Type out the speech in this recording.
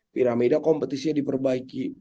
piramida kompetisinya diperbaiki